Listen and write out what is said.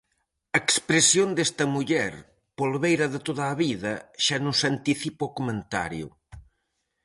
A expresión desta muller, polbeira de toda a vida, xa nos anticipa o comentario.